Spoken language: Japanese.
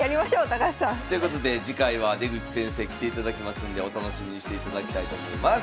高橋さん。ということで次回は出口先生来ていただきますんでお楽しみにしていただきたいと思います。